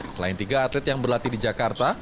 selain tiga atlet yang berlatih di jakarta